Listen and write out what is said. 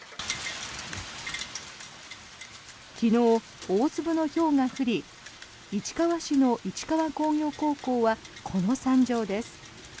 昨日、大粒のひょうが降り市川市の市川工業高校はこの惨状です。